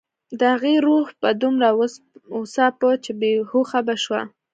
د هغې روح به دومره وځاپه چې بې هوښه به شوه